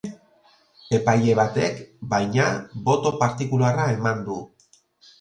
Epaile batek, baina, boto partikularra eman du.